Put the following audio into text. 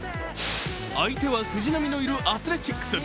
相手は藤浪のいるアスレチックス。